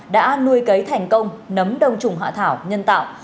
đã nuôi cấy thành công nấm đông trùng hạ thảo nhân tạo